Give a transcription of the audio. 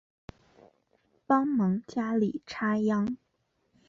帮忙家里插秧